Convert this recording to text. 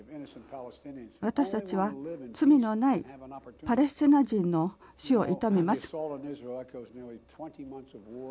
私たちは罪のないパレスチナ人の死を悼みます。